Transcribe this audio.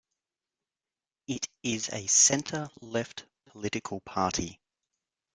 It is a centre-left political party.